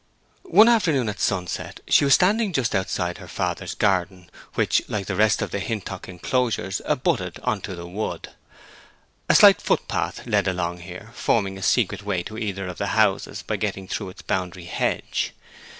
One afternoon at sunset she was standing just outside her father's garden, which, like the rest of the Hintock enclosures, abutted into the wood. A slight foot path led along here, forming a secret way to either of the houses by getting through its boundary hedge.